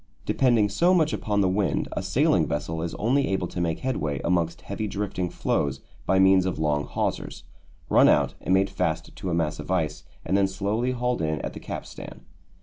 Depending so much upon the wind, a sailing vessel is only able to make headway amongst heavy drifting floes by means of long hawsers, run out and made fast to a mass of ice and then slowly hauled in at the capstan.